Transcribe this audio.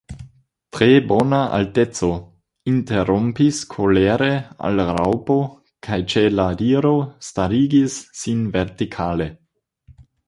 "Tre bona alteco," interrompis kolere la Raŭpo, kaj ĉe la diro starigis sin vertikale.